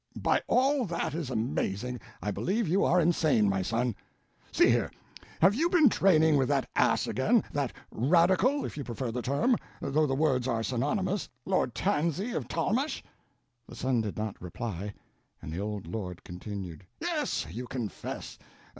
"By all that is amazing, I believe you are insane, my son. See here —have you been training with that ass again—that radical, if you prefer the term, though the words are synonymous—Lord Tanzy, of Tollmache?" The son did not reply, and the old lord continued: "Yes, you confess.